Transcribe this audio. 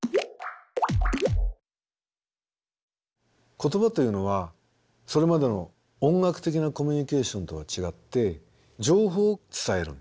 言葉というのはそれまでの音楽的なコミュニケーションとは違って情報を伝えるんですね。